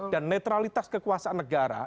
dan netralitas kekuasaan negara